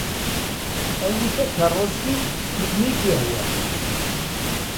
Awi-t takeṛṛust-iw melmi k-yehwa.